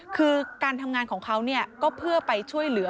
คือการทำงานของเขาก็เพื่อไปช่วยเหลือ